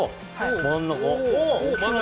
真ん中！